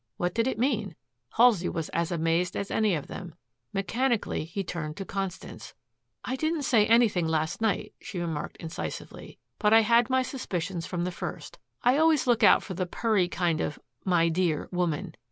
What did it mean? Halsey was as amazed as any of them. Mechanically he turned to Constance. "I didn't say anything last night," she remarked incisively. "But I had my suspicions from the first. I always look out for the purry kind of 'my dear' woman.